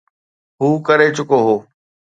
هو ڪري چڪو هو.